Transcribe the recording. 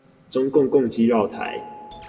中共共機繞台